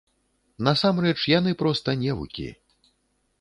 Насамрэч, яны проста невукі.